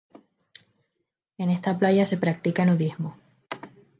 En esta playa se practica nudismo.